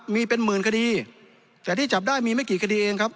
มีเป็นหมื่นคดีแต่ที่จับได้มีไม่กี่คดีเองครับ